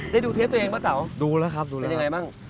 ดูเทปตัวเองป้าเต๋าดูแล้วครับดูแล้วยังไงบ้าง